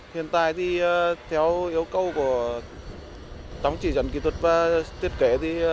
hiện tại theo yêu cầu của tổng chỉ dân kỹ thuật và thiết kế